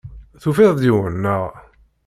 Tufiḍ-d yiwen, naɣ?